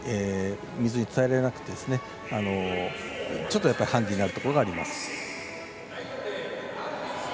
水に伝えられなくてちょっとハンディになるところがあります。